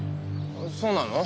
そうなの？